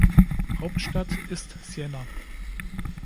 Hauptstadt ist Siena.